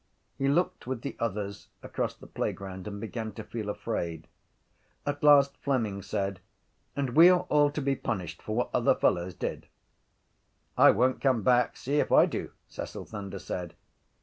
He looked with the others across the playground and began to feel afraid. At last Fleming said: —And we are all to be punished for what other fellows did? —I won’t come back, see if I do, Cecil Thunder said.